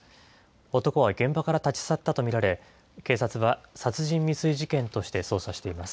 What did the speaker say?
男は現場から立ち去ったと見られ、警察は殺人未遂事件として捜査しています。